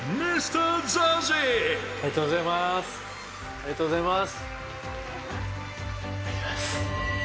ありがとうございます。